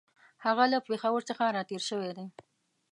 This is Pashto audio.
هغه له پېښور څخه را تېر شوی دی.